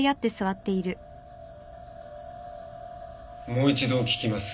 もう一度聞きます。